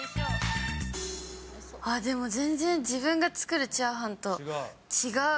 ああでも全然、自分が作るチャーハンと違う。